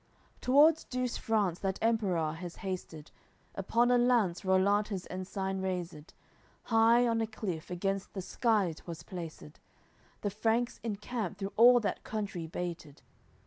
Towards Douce France that Emperour has hasted. Upon a lance Rollant his ensign raised, High on a cliff against the sky 'twas placed; The Franks in camp through all that country baited.